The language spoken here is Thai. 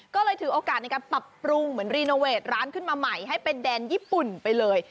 ก็เลยถือโอกาสในการปรับปรุงเหมือนรีโนเวทร้านขึ้นมาใหม่ให้เป็นแดนญี่ปุ่นไปเลย